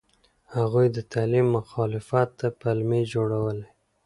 هغوی د تعلیم مخالفت ته پلمې جوړولې.